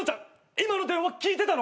今の電話聞いてたの？